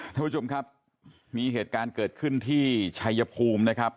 ท่านผู้ชมครับมีเหตุการณ์เกิดขึ้นที่ชัยภูมินะครับ